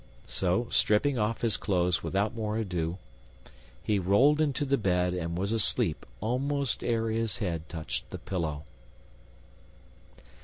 So, stripping off his clothes without more ado, he rolled into the bed and was asleep almost ere his head touched the pillow.